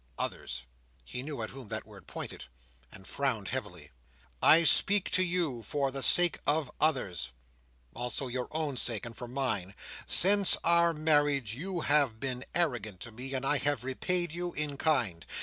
Others! He knew at whom that word pointed, and frowned heavily. "I speak to you for the sake of others. Also your own sake; and for mine. Since our marriage, you have been arrogant to me; and I have repaid you in kind.